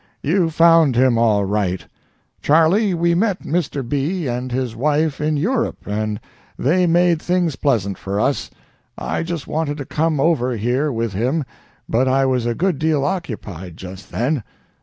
You found him all right. Charlie, we met Mr. B. and his wife in Europe, and they made things pleasant for us. I wanted to come over here with him, but I was a good deal occupied just then.